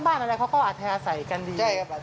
ใช่ก็อัธยาศัยกันดี